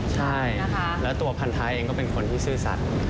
ใช่แล้วตัวพันท้ายเองก็เป็นคนที่ซื่อสัตว์